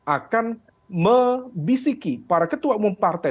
akan membisiki para ketua umum partai